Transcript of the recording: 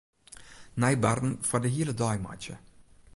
Nij barren foar de hiele dei meitsje.